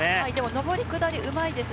上り・下り、うまいです。